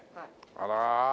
あら。